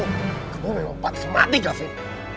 ketua nelompat mati kasih